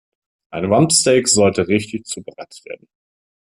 Ein Rumpsteak sollte richtig zubereitet werden.